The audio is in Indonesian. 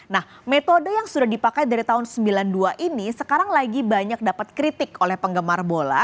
nah metode yang sudah dipakai dari tahun seribu sembilan ratus sembilan puluh dua ini sekarang lagi banyak dapat kritik oleh penggemar bola